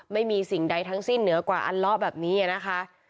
ไม่มีสิ่งใดทั้งสิ้นเหนือกว่าอัลเลาะแบบนี้นะคะ